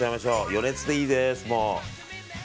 余熱でいいです。